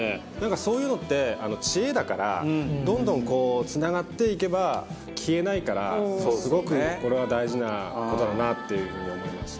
そういうのって、知恵だからどんどん、つながっていけば消えないからすごく、これは大事な事だなっていう風に思いました。